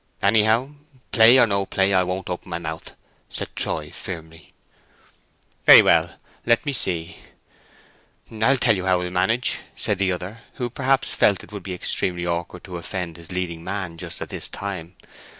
"Anyhow, play or no play, I won't open my mouth," said Troy, firmly. "Very well, then let me see. I tell you how we'll manage," said the other, who perhaps felt it would be extremely awkward to offend his leading man just at this time.